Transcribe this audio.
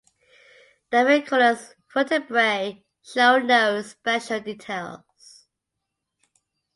The amphicoelous vertebrae show no special details.